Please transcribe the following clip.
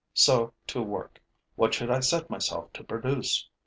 So to work. What should I set myself to produce?